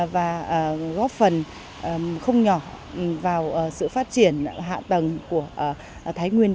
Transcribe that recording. và góp phần không nhỏ vào sự phát triển hạ tầng của thái nguyên